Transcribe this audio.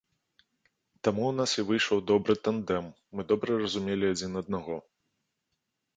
Таму ў нас і выйшаў добры тандэм, мы добра разумелі адзін аднаго.